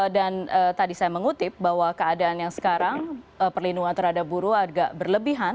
dan tadi saya mengutip bahwa keadaan yang sekarang perlindungan terhadap buruh agak berlebihan